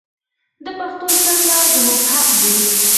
د پښتو زده کړه زموږ حق دی.